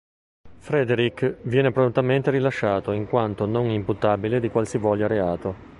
Frédéric viene prontamente rilasciato in quanto non imputabile di qualsivoglia reato.